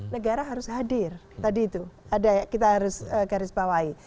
negara harus hadir tadi itu ada kita harus garis bawahi